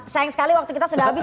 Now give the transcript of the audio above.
sayang sekali waktu kita sudah habis